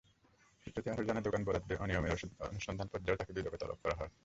সূত্রটি আরও জানায়, দোকান বরাদ্দে অনিয়মের অনুসন্ধান পর্যায়েও তাঁকে দুদকে তলব করা হয়।